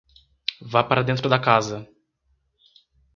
Vá para dentro da casa